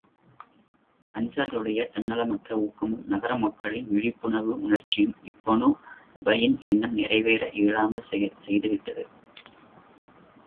அன்சாரிகளுடைய தன்னலமற்ற ஊக்கமும், நகர மக்களின் விழிப்பு உணர்ச்சியும் இப்னு உபையின் எண்ணம் நிறைவேற இயலாமல் செய்து விட்டது.